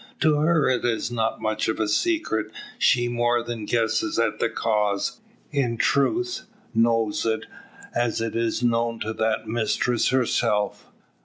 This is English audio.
To her it is not much of a secret. She more than guesses at the cause; in truth, knows it, as it is known to that mistress herself.